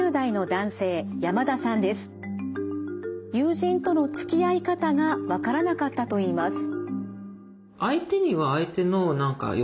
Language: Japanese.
友人とのつきあい方が分からなかったといいます。